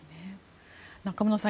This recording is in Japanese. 中室さん